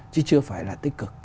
chứ chưa phải là tích cực